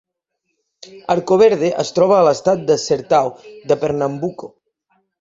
Arcoverde es troba a l'estat de Sertao de Pernambuco.